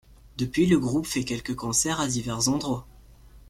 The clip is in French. Depuis, le groupe fait quelques concerts à divers endroits.